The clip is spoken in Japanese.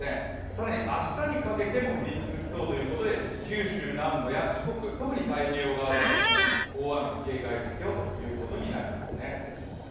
更に明日にかけても降り続きそうということで九州南部、四国、特に太平洋側では大雨に警戒が必要ということになりますね。